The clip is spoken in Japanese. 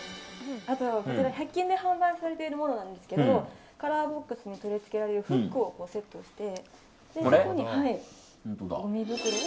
こちら１００均で販売されているものなんですけどカラーボックスに取り付けられるフックをセットして。